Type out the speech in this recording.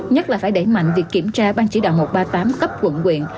nhất là phải đẩy mạnh việc kiểm tra ban chỉ đạo một trăm ba mươi tám cấp quận quyện